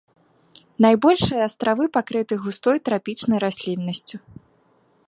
Найбольшыя астравы пакрыты густой трапічнай расліннасцю.